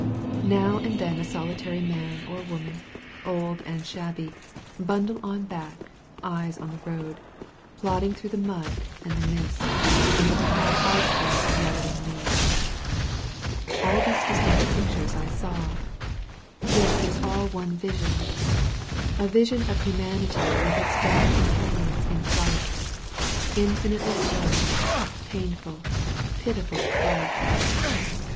Now and then a solitary man or woman, old and shabby, bundle on back, eyes on the road, plodding through the mud and the mist, under the high arch way of yellowing leaves. All these distinct pictures I saw, yet it was. all 18 I .^■' i^ ■3 S 2 ■^/f ../yii^'U.: r ANTWERP ROAD one vision — ^a vision of humanity with its dumb companions in flight — infinitely slow, painful, piti* ful flight!